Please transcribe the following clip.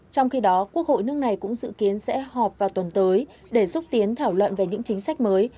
trong khi đó quốc hội nước này cũng dự kiến sẽ họp vào tuần tới để xúc tiến thảo luận về những chính sách mới